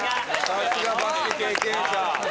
さすがバスケ経験者。